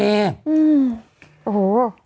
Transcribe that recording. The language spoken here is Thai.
อื้อหู